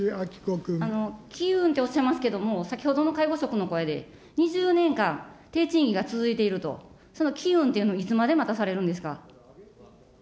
機運とおっしゃいますけれども、先ほどの介護職の声で、２０年間、低賃金が続いていると、その機運というのはいつまで待たされるんですか。